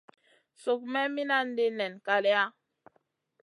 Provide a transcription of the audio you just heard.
Suk me minandi nen kaleya.